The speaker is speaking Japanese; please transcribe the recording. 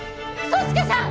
宗介さん！